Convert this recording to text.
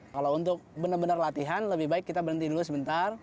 kalau untuk benar benar latihan lebih baik kita berhenti dulu sebentar